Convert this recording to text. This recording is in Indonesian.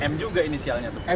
m juga inisialnya